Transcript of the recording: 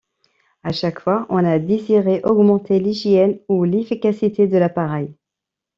À chaque fois on a désiré augmenter l'hygiène ou l'efficacité de l'appareil.